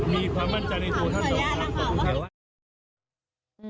มีความมั่นใจในโทรท่านดอกครับขอบคุณท่านว่า